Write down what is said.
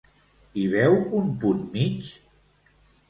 Hi veu un punt mig?